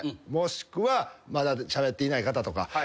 もしくはまだしゃべっていない方とか。